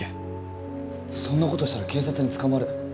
そんな事したら警察に捕まる。